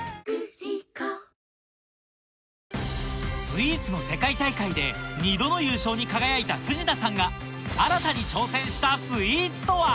スイーツの世界大会で２度の優勝に輝いた藤田さんが新たに挑戦したスイーツとは？